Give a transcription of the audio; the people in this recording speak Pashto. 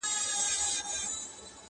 • و دربار ته یې حاضر کئ بېله ځنډه..